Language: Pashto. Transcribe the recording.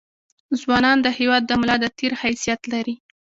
ځونان دهیواد دملا دتیر حیثت لري